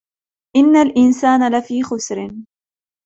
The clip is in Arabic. إِنَّ الْإِنْسَانَ لَفِي خُسْرٍ